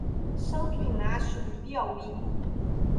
Santo Inácio do Piauí